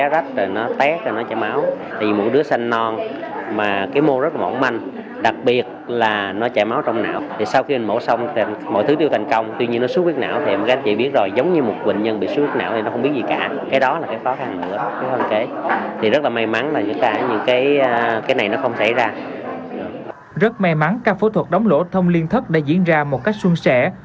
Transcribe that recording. rất may mắn các phẫu thuật đóng lỗ thông liên thức đã diễn ra một cách xuân sẻ